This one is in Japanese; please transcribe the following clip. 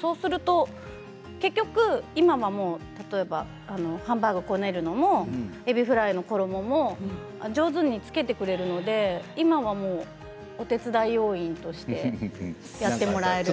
そうすると今はハンバーグを食べるのも、えびフライの衣も上手につけてくれるので今はお手伝い要員としてやってもらえる。